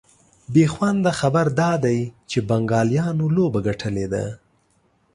بېخونده خبر دا دی چي بنګالیانو لوبه ګټلې ده